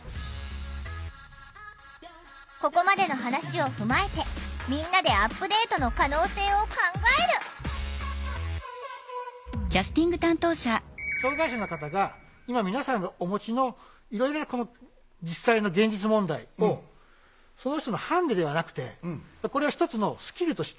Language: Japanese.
ここまでの話を踏まえてみんなでアップデートの可能性を考える障害者の方が今皆さんがお持ちのいろいろな実際の現実問題をその人のハンデではなくてこれは一つのスキルとして。